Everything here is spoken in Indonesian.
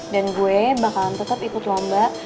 dan gue bakalan tetap ikut lomba